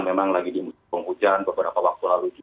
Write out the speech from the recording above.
memang lagi di musim penghujan beberapa waktu lalu